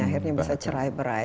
akhirnya bisa cerai berai